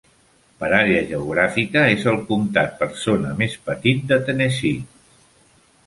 Per àrea geogràfica, és el comtat per zona més petit de Tennessee.